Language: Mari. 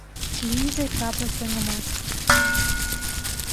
Лийже чапле сеҥымаш